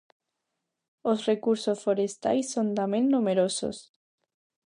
Os recursos forestais son tamén numerosos.